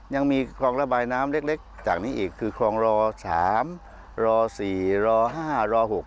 ยังมีคลองระบายน้ำเล็กจากนี้อีกคือคลองรอ๓ร๔ร๕ร๖